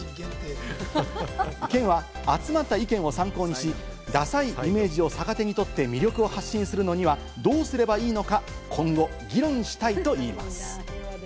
県は集まった意見を参考にし、ダサいイメージを逆手にとって魅力を発信するのにはどうすればいいのか今後議論したいといいます。